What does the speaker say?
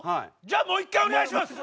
じゃあもう一回お願いします！